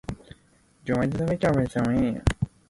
你點解要加入娛樂圈呢